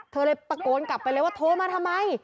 เธอเลยตะโกนกลับไปเลยว่าโทรมาทำไม